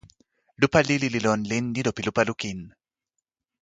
lupa lili li lon len ilo pi lupa lukin.